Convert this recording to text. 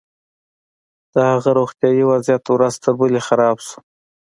د هغه روغتيايي وضعيت ورځ تر بلې خراب شو.